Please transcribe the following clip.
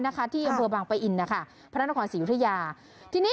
นะคะที่บรบางไปอินนะคะพระนรครศียุธยาทีนี้